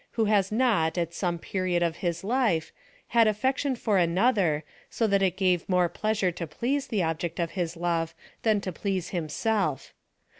78 PHILOSOPHY OP THE has not, at some period of his life, had affection for another, so that it gave more pleasure to please the object of his love than to please himself.